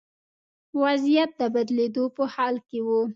وضعیت د بدلېدو په حال کې و.